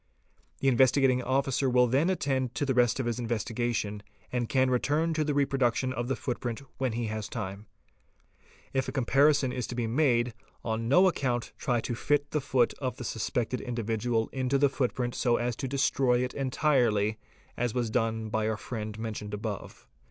The Investigating Officer will then attend to the rest of his investigation and can return to the reproduction of the footprint when he has time. If a comparison is to be made, on no account try to fit the foot of the suspected individual into the footprint so as to destroy it entirely, as was done by our friend mentioned above.